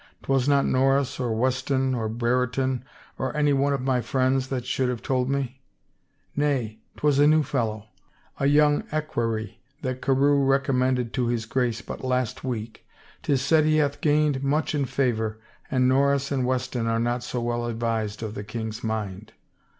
'Twas not Norris or Weston or Brereton, or one of my friends that should have told me ?"" Nay, 'twas a new fellow — a young equerry that Carewe recommended to his Grace but last week. 'Tis said he hath gained much in favor and Norris and Wes ton are not so well advised of the king's mind."